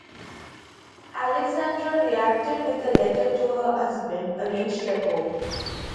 Alexandra reacted with a letter to her husband against Trepov.